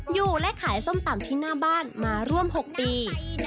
อยู่และขายส้มตำที่หน้าบ้านมาร่วม๖ปี